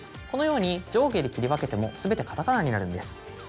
このように上下で切り分けても全てカタカナになるんです。